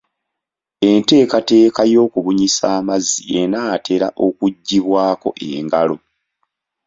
Enteekateeka y'okubunyisa amazzi enaatera okuggyibwako engalo.